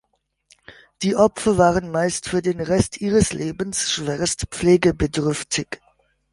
Die Opfer waren meist für den Rest ihres Lebens schwerst pflegebedürftig.